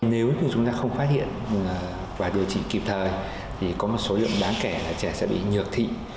nếu như chúng ta không phát hiện và điều trị kịp thời thì có một số lượng đáng kể là trẻ sẽ bị nhược thị